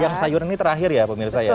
yang sayur ini terakhir ya pemirsa ya